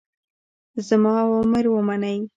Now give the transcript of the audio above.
زما اوامر ومنئ.